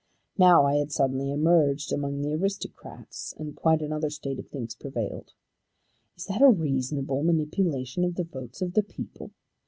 Now I had suddenly emerged among the aristocrats, and quite another state of things prevailed. Is that a reasonable manipulation of the votes of the people?